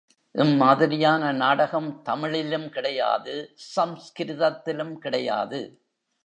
இம்மாதிரியான நாடகம் தமிழிலும் கிடையாது, சம்ஸ்கிருதத்திலும் கிடையாது.